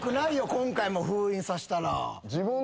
今回も封印させたら。